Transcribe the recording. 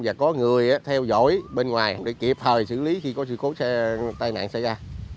và có người theo dõi bên ngoài để kịp thời xử lý khi có sự cố tai nạn xảy ra